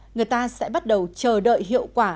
người ta sẽ bắt đầu chờ đợi hiệu quả